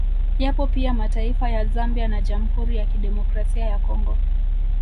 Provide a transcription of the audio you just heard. Yapo pia mataifa ya Zambia na Jamhuri ya kidemokrasia ya Congo